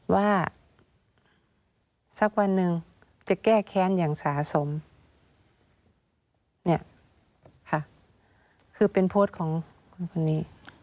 ว่าสักวันหนึ่งจะแก้แค้นอย่างสะสมเนี่ยค่ะคือเป็นโพสต์ของคนนี้